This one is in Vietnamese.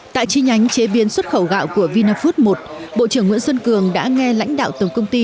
tại chi nhánh chế biến xuất khẩu gạo của vinafood một bộ trưởng nguyễn xuân cường đã nghe lãnh đạo tổng công ty